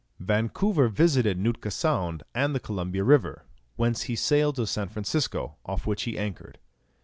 Vancouver next visited Nootka Sound and the Columbia River, whence he sailed to San Francisco, off which he anchored.